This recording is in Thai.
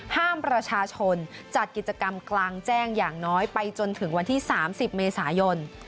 ห้ามประชาชนจัดกิจกรรมกลางแจ้งอย่างน้อยไปจนถึงวันที่๓๐เมษายน